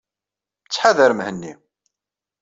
Ttḥadar Mhenni.